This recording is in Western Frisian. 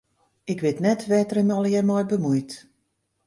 Ik wit net wêr't er him allegearre mei bemuoit.